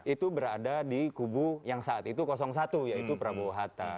itu berada di kubu yang saat itu satu yaitu prabowo hatta